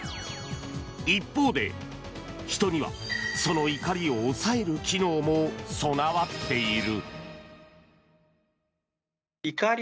一方で人には、その怒りを抑える機能も備わっている。